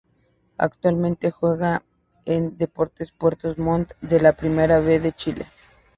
Actualmente juega en Deportes Puerto Montt de la Primera B de Chile.